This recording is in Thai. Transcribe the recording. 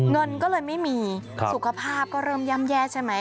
เงินก็เลยไม่มีสุขภาพก็เริ่มย่ำแย่ใช่ไหม